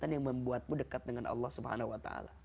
yang membuatmu dekat dengan allah swt